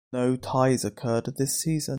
No ties occurred this season.